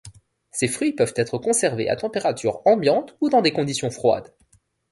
Ces fruits peuvent être conservés à température ambiante ou dans des conditions froides.